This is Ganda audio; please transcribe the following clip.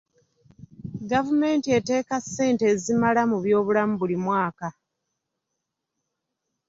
Gavumenti eteeka ssente ezimala mu byobulamu buli mwaka.